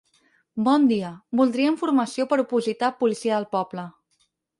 Bon dia, voldria informació per opositar a policia al poble.